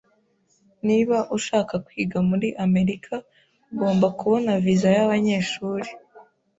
Niba ushaka kwiga muri Amerika, ugomba kubona viza yabanyeshuri.